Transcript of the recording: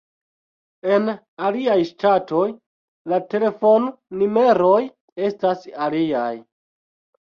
En aliaj ŝtatoj la telefonnumeroj estas aliaj.